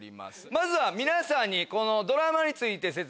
まずは皆さんに。